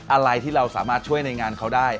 อะไรที่เราสามารถช่วยในงานเขาได้